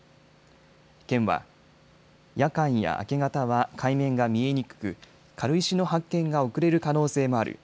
県は夜間や明け方は海面が見えにくく軽石の発見が遅れる可能性もある。